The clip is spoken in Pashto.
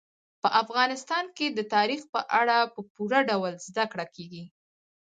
په افغانستان کې د تاریخ په اړه په پوره ډول زده کړه کېږي.